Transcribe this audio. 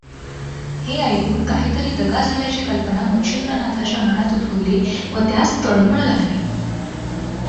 हें ऐकून काहींतरी दगा झाल्याची कल्पना मच्छिंद्रनाथाच्या मनांत उद्भवली व त्यास तळमळ लागली.